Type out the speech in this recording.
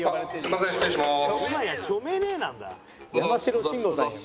すみません失礼します。